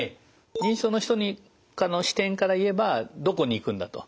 認知症の人の視点から言えば「どこに行くんだ」と。